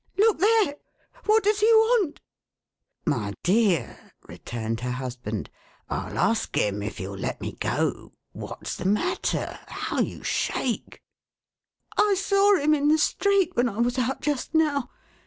Look there ! What does he want ?"" My dear," returned her husband, " Til ask him if you'll let me go. What's the matter ? How you shake !"" I saw him in the street, when I was out just now.